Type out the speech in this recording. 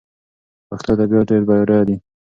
پښتو ادبيات ډېر بډايه دي.